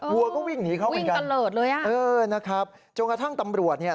วัวก็วิ่งหนีเขาเหมือนกันเออนะครับจนกระทั่งตำรวจเนี่ย